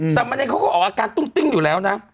สามเณรเขาก็ออกอาการตุ้งติ้งอยู่แล้วนะ